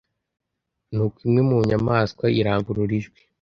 Nuko imwe mu nyamaswa irangurura ijwi,